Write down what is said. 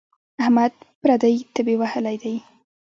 احمد پردۍ تبې وهلی دی.